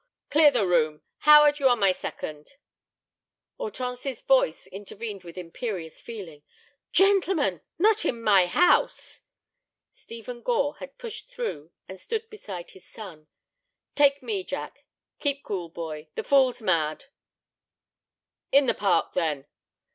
Clear the room. Howard, you are my second." Hortense's voice intervened with imperious feeling. "Gentlemen, not in my house." Stephen Gore had pushed through and stood beside his son. "Take me, Jack; keep cool, boy; the fool's mad." "In the park, then."